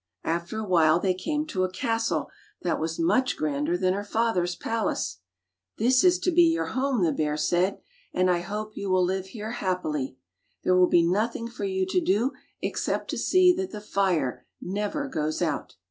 After a while they came to a castle that was much grander than her father's palace. 129 Fairy Tale Bears ''This is to be your home," the bear said, "and I hope you will live here happily. There will be nothing for you to do except to see that the fire never goes out."